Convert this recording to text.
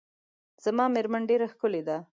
زما میرمن ډیره ښکلې ده .